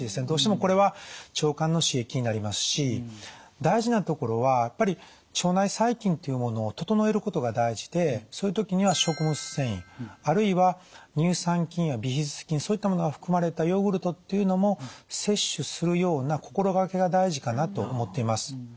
どうしてもこれは腸管の刺激になりますし大事なところはやっぱり腸内細菌というものを整えることが大事でそういう時には食物繊維あるいは乳酸菌やビフィズス菌そういったものが含まれたヨーグルトっていうのも摂取するような心がけが大事かなと思っています。